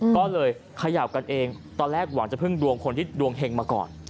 ก็เลยขยับกันเองตอนแรกหวังจะพึ่งดวงคนที่ดวงเห็งมาก่อน